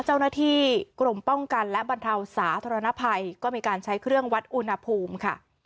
เจ้าหน้าที่กรมป้องกันและบรรเทาสาธารณภัยก็มีการใช้เครื่องวัดอุณหภูมิค่ะ